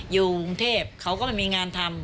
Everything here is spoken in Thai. อยู่กรุงเทพเขาก็ไม่มีงานทำ